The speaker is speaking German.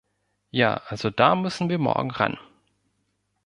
Ja also da müssen wir morgen ran.